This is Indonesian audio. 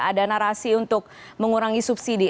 ada narasi untuk mengurangi subsidi